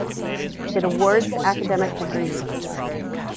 It awards academic degrees.